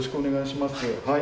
はい。